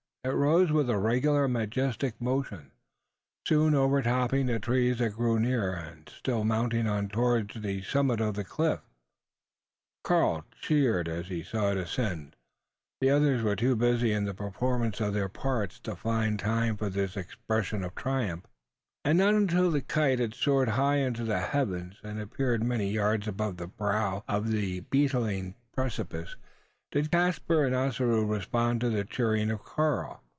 It rose with a regular majestic motion, soon overtopping the trees that grew near, and still mounting on towards the summit of the cliff. Karl cheered as he saw it ascend. The others were too busy in the performance of their parts to find time for this expression of triumph; and not until the kite had soared high into the heavens, and appeared many yards above the brow of the beetling precipice, did Caspar and Ossaroo respond to the cheering of Karl.